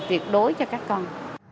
tuyệt đối cho các con